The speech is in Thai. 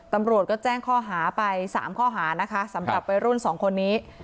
ตำรวจก็แจ้งข้อหาไป๓ข้อหานะคะสำหรับวัยรุ่นสองคนนี้